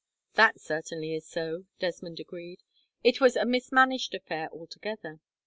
"That certainly is so," Desmond agreed. "It was a mismanaged affair altogether.